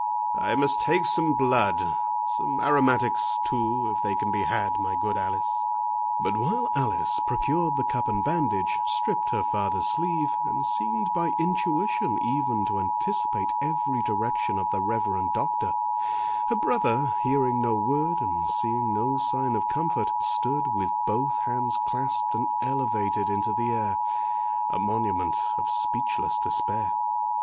I must take some blood—some aromatics, too, if they can be had, my good Alice." But while Alice procured the cup and bandage, stripped her father's sleeve, and seemed by intuition even to anticipate every direction of the reverend doctor, her brother, hearing no word, and seeing no sign of comfort, stood with both hands clasped and elevated into the air, a monument of speechless despair.